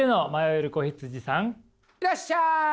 いらっしゃい！